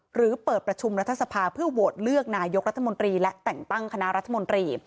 หรือเปิดประชุมรัฐสภาเพื่อโหวตเลือกนายกรัฐมนตรีและแต่งตั้งคณะรัฐมนตรี